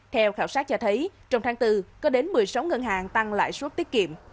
theo khảo sát cho thấy trong tháng bốn có đến một mươi sáu ngân hàng tăng lãi suất tiết kiệm